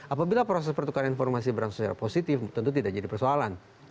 apabila proses pertukaran informasi berlangsung secara positif tentu tidak jadi persoalan